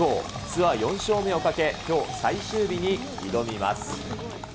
ツアー４勝目をかけ、きょう、最終日に挑みます。